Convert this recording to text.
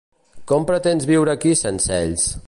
Com pretens viure aquí sense ells?